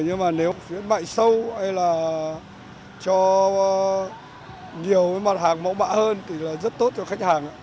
nhưng mà nếu khuyến mại sâu hay là cho nhiều mặt hàng mẫu bạ hơn thì là rất tốt cho khách hàng